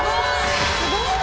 すごい！